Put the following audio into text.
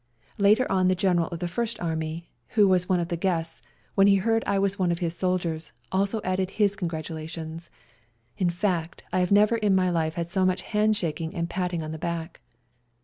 Later on the General of the First Army, who was one of the guests, when he heard I was one of his soldiers, also added his congratulations ; in fact, I have never in my life had so much handshaking and patting on the back.